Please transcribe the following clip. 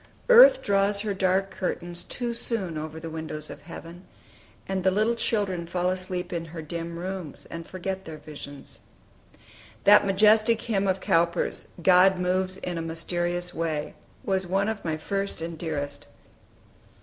Earth draws her dark curtains too soon over the windows of heaven, and the little children fall asleep in her dim rooms, and forget their visions. That majestic hymn of Cowper's, "God moves in a mysterious way," was one of my first and dearest.